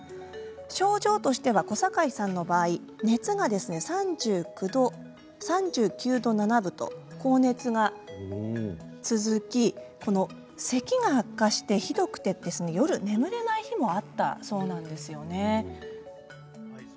症状として、小堺さんの場合熱が３９度７分と高熱が続きせきが悪化して、ひどくて夜、眠れない日もあったそうなんですよね。